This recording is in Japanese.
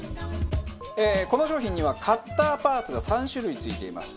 この商品にはカッターパーツが３種類付いています。